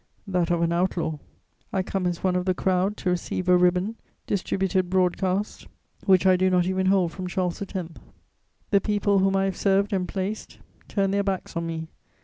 That of an outlaw. I come as one of the crowd to receive a ribbon, distributed broadcast, which I do not even hold from Charles X. The people whom I have served and placed turn their backs on me.